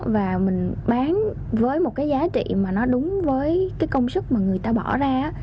và mình bán với một cái giá trị mà nó đúng với cái công sức mà người ta bỏ ra